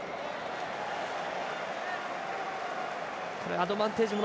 アドバンテージです。